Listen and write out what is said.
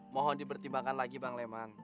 mohon dipertimbangkan lagi bang leman